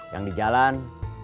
yang di jalan